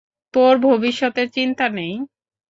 তোর ভবিষ্যতের চিন্তা নেই?